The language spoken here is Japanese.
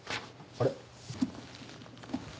あれ？